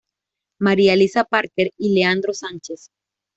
María Elisa Parker y Leandro Sánchez.